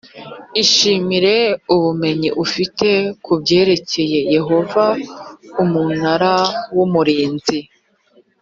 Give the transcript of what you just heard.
ishimire ubumenyi ufite ku byerekeye yehova umunara w umurinzi